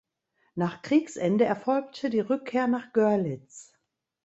Nach Kriegsende erfolgte die Rückkehr nach Görlitz.